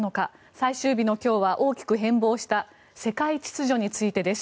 最終日の今日は大きく変ぼうした世界秩序についてです。